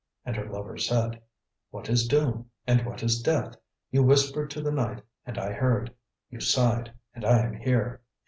And her lover said: "What is doom, and what is death? You whispered to the night and I heard. You sighed and I am here!"